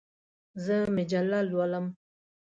زه مجله لولم.